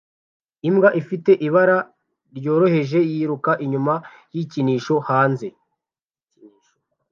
Imbwa ifite ibara ryoroheje yiruka inyuma yikinisho hanze